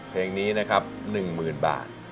เพลงนี้นะครับ๑๐๐๐บาท